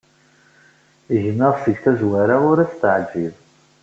Gma, seg tazwara ur as-teɛjib.